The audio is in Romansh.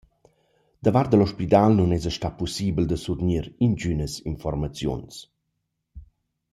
Da vart da l’ospidal nun esa stat pussibel da survgnir ingünas infuormaziuns.